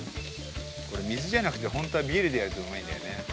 これ水じゃなくてホントはビールでやるとうまいんだよね。